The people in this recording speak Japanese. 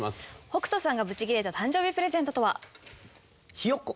北斗さんがブチギレた誕生日プレゼントとは？